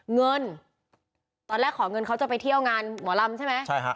เงินตอนแรกขอเงินเขาจะไปเที่ยวงานหมอลำใช่ไหมใช่ฮะ